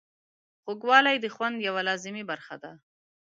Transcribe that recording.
خوږوالی د خوند یوه لازمي برخه ده.